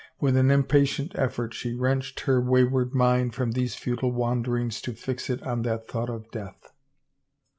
With an impatient ef fort she wrenched her wayward mind from these futile wanderings to fix it on that thought of death.